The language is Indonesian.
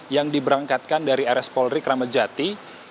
yang diberangkatkan dari rs polri kramajati